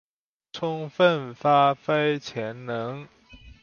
充分發揮潛能